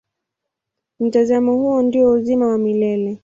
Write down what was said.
Mtazamo huo ndio uzima wa milele.